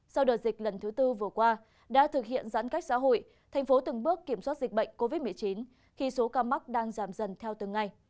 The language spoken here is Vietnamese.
sau đợt dịch lần thứ tư vừa qua đã thực hiện giãn cách xã hội thành phố từng bước kiểm soát dịch bệnh covid một mươi chín khi số ca mắc đang giảm dần theo từng ngày